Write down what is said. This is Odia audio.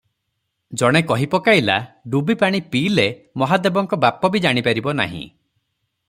ଜଣେ କହିପକାଇଲା, ଡୁବିପାଣି ପିଇଲେ ମହାଦେବଙ୍କ ବାପ ବି ଜାଣିପାରିବ ନାହିଁ ।